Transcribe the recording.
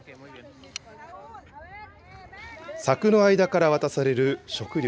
柵の間から渡される食料。